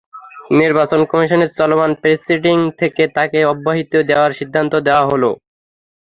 নির্বাচন কমিশনের চলমান প্রসিডিং থেকে তাঁকে অব্যাহতি দেওয়ার সিদ্ধান্ত দেওয়া হলো।